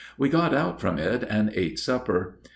We got out upon it and ate supper.